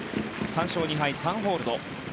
３勝２敗３ホールド。